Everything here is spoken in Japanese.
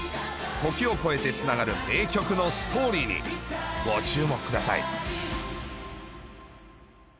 時を超えてつながる名曲のストーリーにご注目ください。